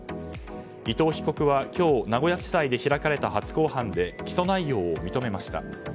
伊藤被告は今日名古屋地裁で開かれた初公判で起訴内容を認めました。